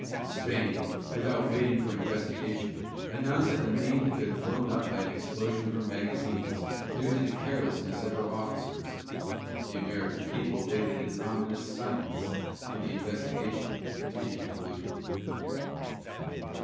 Spain, without waiting for investigation, announced that the Maine had been blown up by an explosion of her magazines, due to the carelessness of her officers. The American people waited in ominous silence for the investigation to be concluded.